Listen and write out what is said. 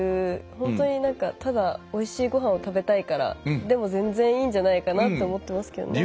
本当にただおいしいごはんを食べたいからでも全然いいんじゃないかなと思ってますけどね。